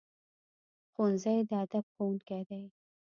ښوونځی د ادب ښوونکی دی